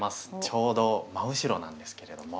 ちょうど真後ろなんですけれども。